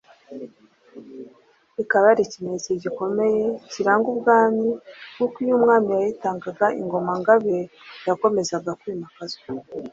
ikaba yari ikimenyetso gikomeye kiranga ubwami kuko n'iyo umwami yatangaga, Ingoma–Ngabe yo yakomezaga kwimakazwa.